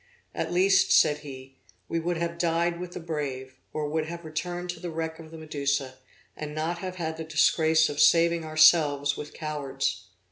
'At least,' said he, 'we would have died with the brave, or would have returned to the wreck of the Medusa; and not have had the disgrace of saving ourselves with cowards.'